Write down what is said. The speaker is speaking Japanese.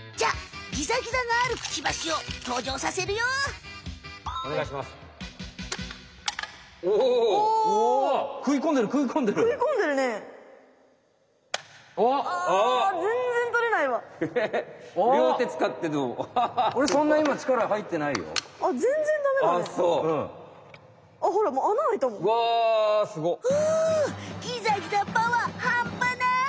フギザギザパワーはんぱない！